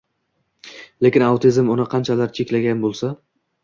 Lekin autizm uni qanchalar cheklagan bo’lsa